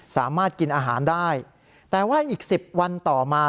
สามารถกินอาหารได้แต่ว่าอีก๑๐วันต่อมา